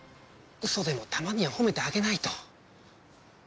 ウソでもたまには褒めてあげないと。